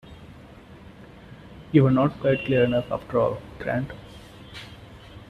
You were not quite clever enough, after all, Grant.